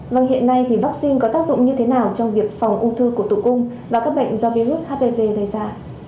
vâng hiện nay thì vaccine có tác dụng như thế nào trong việc phòng ung thư của tử cung và các bệnh do virus hpv gây ra